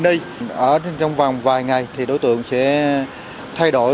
nhiều người ở trong vòng vài ngày thì đối tượng sẽ thay đổi